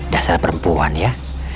dasar perempuan ya